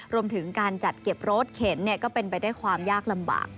รวมถึงการจัดเก็บรถเข็นก็เป็นไปด้วยความยากลำบาก